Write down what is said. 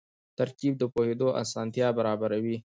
ترکیب د پوهېدو اسانتیا برابروي.